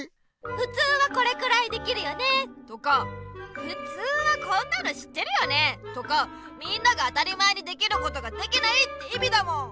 「ふつうはこれくらいできるよね」とか「ふつうはこんなの知ってるよね」とか「みんなが当たり前にできることができない」っていみだもん。